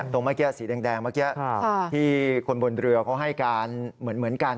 เมื่อกี้สีแดงเมื่อกี้ที่คนบนเรือเขาให้การเหมือนกัน